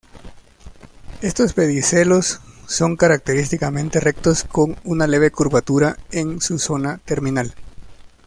Estos pedicelos son característicamente rectos con una leve curvatura en su zona terminal.